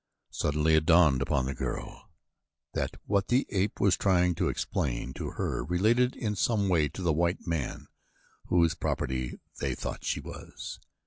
Suddenly it dawned upon the girl that what the ape was trying to explain to her was related in some way to the white man whose property they thought she was.